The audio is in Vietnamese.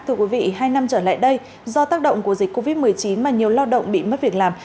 thưa quý vị hai năm trở lại đây do tác động của dịch covid một mươi chín mà nhiều lao động bị mất việc làm